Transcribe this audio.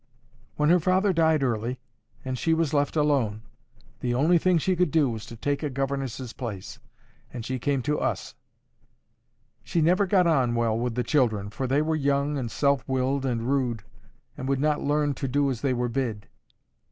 When her father died early, and she was left atone, the only thing she could do was to take a governess's place, and she came to us. She never got on well with the children, for they were young and self willed and rude, and would not learn to do as they were bid.